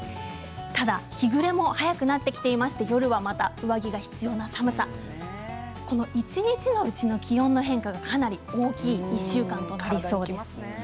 ただ日暮れも早くなってきていて夜はまた、上着が必要な寒さ一日のうちの気温の変化がかなり大きい１週間となりそうです。